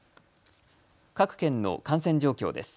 各県の感染状況です。